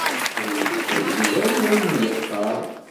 Ur ittḥezzib ara i wayen i d-iqqar.